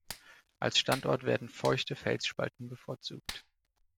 Als Standort werden feuchte Felsspalten bevorzugt.